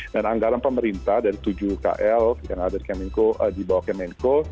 dan anggaran pemerintah dari tujuh kl yang ada di bawah kemenko